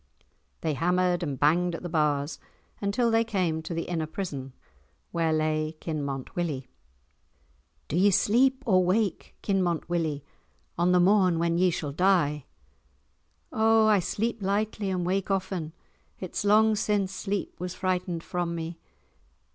They hammered and banged at the bars until they came to the inner prison, where lay Kinmont Willie. "Do ye sleep or wake, Kinmont Willie, on the morn when ye shall die?" "O I sleep lightly and wake often; it's long since sleep was frightened from me.